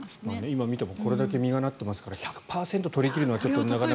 今見てもこれだけ実がなっていますから１００％取り切るのはなかなか現実的では。